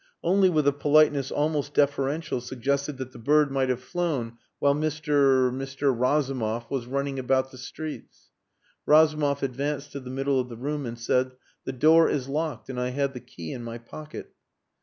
Only with a politeness almost deferential suggested that "the bird might have flown while Mr. Mr. Razumov was running about the streets." Razumov advanced to the middle of the room and said, "The door is locked and I have the key in my pocket."